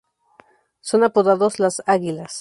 Son apodados las "Águilas".